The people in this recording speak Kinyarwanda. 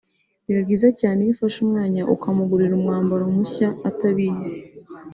Biba byiza cyane iyo ufashe umwanya ukamugurira umwambaro mushya atabizi